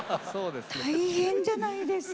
大変じゃないですか？